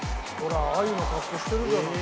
「ほら鮎の格好してるじゃない」